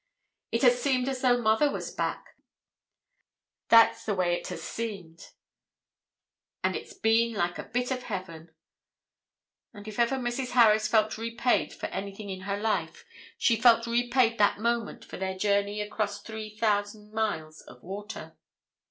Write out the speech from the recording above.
"It has seemed as though mother was back that's the way it has seemed, and it's been like a bit of heaven and if ever Mrs. Harris felt repaid for anything in her life, she felt repaid that moment for their journey across three thousand miles of water.